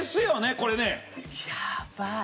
これね。